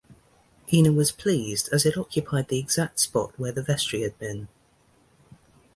Ena was pleased as it occupied the exact spot where the vestry had been.